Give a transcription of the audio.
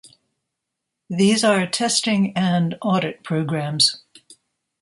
These are testing and audit programs.